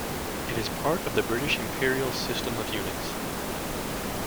It is part of the British Imperial system of units.